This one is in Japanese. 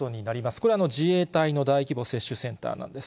これは自衛隊の大規模接種センターなんです。